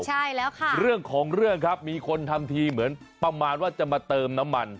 ได้ลุ้นตอบคำถามกับเราเรื่องของเรื่องครับมีคนทำทีเหมือนประมาณว่าจะมาเติมน้ำมัน